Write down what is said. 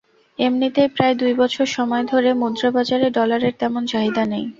এমনিতেই প্রায় দুই বছর সময় ধরে মুদ্রাবাজারে ডলারের তেমন চাহিদা নেই।